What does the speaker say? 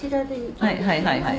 「はいはいはいはい」